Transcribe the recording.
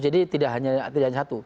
jadi tidak hanya satu